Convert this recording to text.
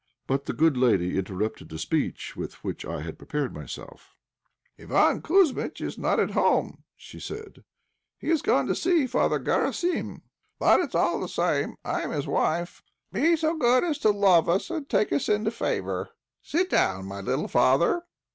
But the good lady interrupted the speech with which I had prepared myself. "Iván Kouzmitch is not at home," said she. "He is gone to see Father Garassim. But it's all the same, I am his wife. Be so good as to love us and take us into favour. Sit down, my little father."